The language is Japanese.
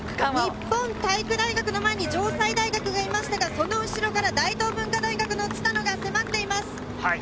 日本体育大学の前に城西大学がいましたが、その後ろから大東文化大学の蔦野が迫っています。